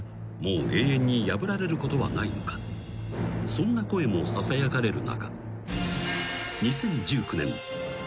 ［そんな声もささやかれる中］